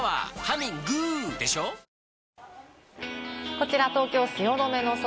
こちら東京・汐留の空。